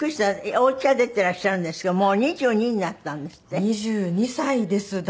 お家は出ていらっしゃるんですけどもう２２になったんですって？